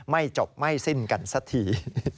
ไม่จบไม่สิ้นกันสักที